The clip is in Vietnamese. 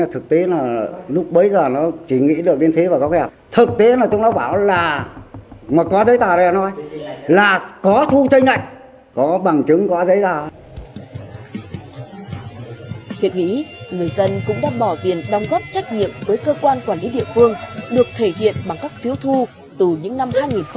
hiện nghĩ người dân cũng đã bỏ tiền đóng góp trách nhiệm với cơ quan quản lý địa phương được thể hiện bằng các phiếu thu từ những năm hai nghìn sáu